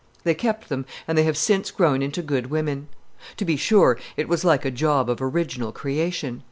They kept them, and they have since grown into good women. To be sure, it was like a job of original creation.